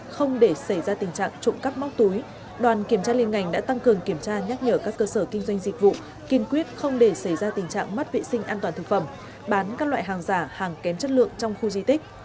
tổng thống của đảng tỉnh bắc cường kiểm tra nhắc nhở các cơ sở kinh doanh dịch vụ kiên quyết không để xảy ra tình trạng mất vệ sinh an toàn thực phẩm bán các loại hàng giả hàng kém chất lượng trong khu di tích